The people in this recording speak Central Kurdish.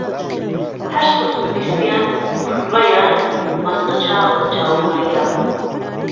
هەر سهت و بیستیان کوڕڕهیان مهسته چاوه چاو مەڕييه